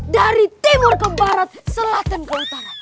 dari timur ke barat selatan ke utara